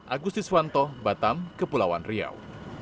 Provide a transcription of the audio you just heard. agustus wanto batam kepulauan riau